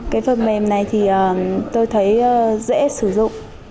cái phần mềm này thì tôi thấy dễ sử dụng